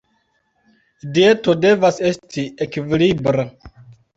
Dieto devas esti ekvilibra.